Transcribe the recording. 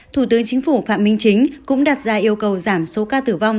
thủ tướng chính phủ phạm minh chính cũng đặt ra yêu cầu giảm số ca tử vong